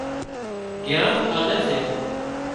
گيان آلي سي